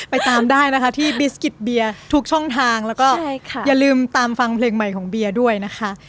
ตามได้นะคะที่บิสกิตเบียร์ทุกช่องทางแล้วก็อย่าลืมตามฟังเพลงใหม่ของเบียร์ด้วยนะคะ